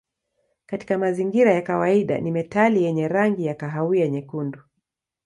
Katika mazingira ya kawaida ni metali yenye rangi ya kahawia nyekundu.